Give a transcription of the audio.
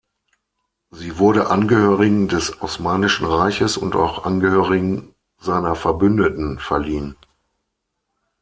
Sie wurde Angehörigen des Osmanischen Reiches und auch Angehörigen seiner Verbündeten verliehen.